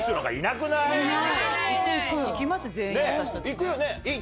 行くよね。